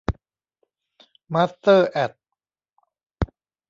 มาสเตอร์ แอด